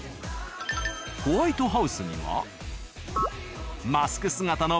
ホワイトハウスには。